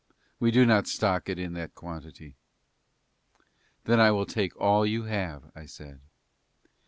We do not stock it in that quantity." "Then I will take all you have," I said.